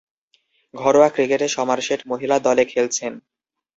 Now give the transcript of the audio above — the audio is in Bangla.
ঘরোয়া ক্রিকেটে সমারসেট মহিলা দলে খেলছেন।